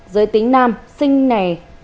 giới tính nam sinh nẻ